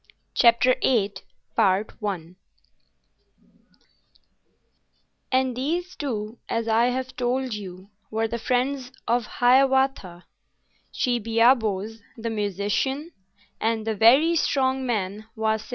CHAPTER VIII And these two, as I have told you, Were the friends of Hiawatha, Chibiabos, the musician, And the very strong man, Kwasind.